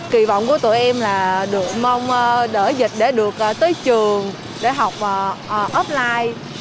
kỳ vọng của tụi em là được mong đỡ dịch để được tới trường để học offline